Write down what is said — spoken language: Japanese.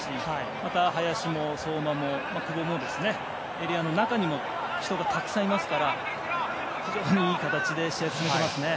また、林も相馬も久保もエリアの中にも人がたくさんいますから非常にいい形で試合を進めていますね。